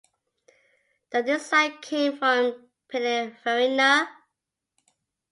The design came from Pininfarina.